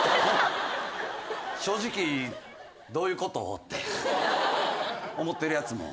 正直どういうこと？って思ってるやつもおると思う。